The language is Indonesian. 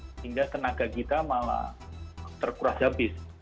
sehingga tenaga kita malah terkuras habis